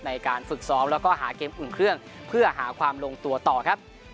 ในการฝึกซ้อมแล้วก็หาเกมอุ่นเครื่องเพื่อหาความลงตัวต่อครับ